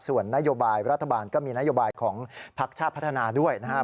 ส่วนนโยบายรัฐบาลก็มีนโยบายของพักชาติพัฒนาด้วยนะครับ